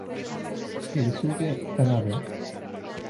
Keisuke Tanabe